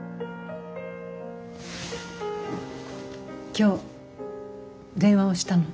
今日電話をしたの。